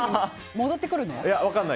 戻ってくるの？